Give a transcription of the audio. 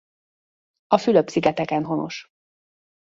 A Fülöp-szigeteken honos.